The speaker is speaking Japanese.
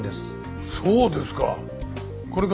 そうですか。